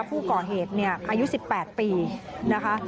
ผู้ก่อเหตุเนี่ยอายุ๑๘ปีนะคะ